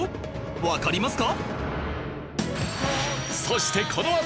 わかりますか？